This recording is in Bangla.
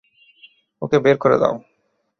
ওকে বের করে দাও।